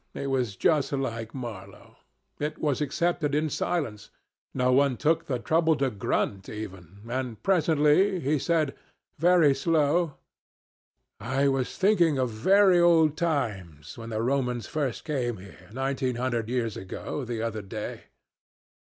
It was just like Marlow. It was accepted in silence. No one took the trouble to grunt even; and presently he said, very slow "I was thinking of very old times, when the Romans first came here, nineteen hundred years ago the other day.